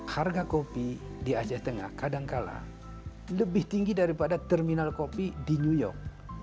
harga kopi di aceh tengah kadangkala lebih tinggi daripada terminal kopi di new york